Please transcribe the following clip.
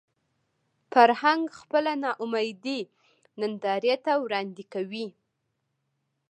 فرهنګ خپله ناامیدي نندارې ته وړاندې کوي